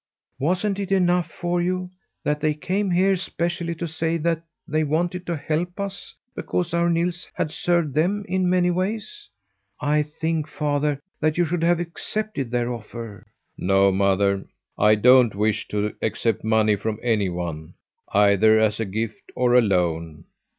"Wasn't it enough for you that they came here specially to say they wanted to help us because our Nils had served them in many ways? I think, father, that you should have accepted their offer." "No, mother, I don't wish to accept money from any one, either as a gift or a loan.